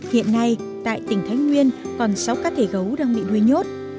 hiện nay tại tỉnh thánh nguyên còn sáu cá thể gấu đang bị đuôi nhốt